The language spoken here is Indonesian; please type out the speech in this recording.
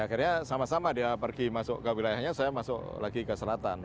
akhirnya sama sama dia pergi masuk ke wilayahnya saya masuk lagi ke selatan